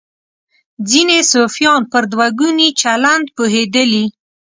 ځینې صوفیان پر دوه ګوني چلند پوهېدلي.